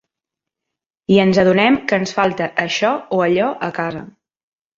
I ens adonem que ens falta això o allò a casa.